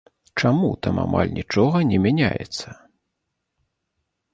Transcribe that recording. Чаму там амаль нічога не мяняецца?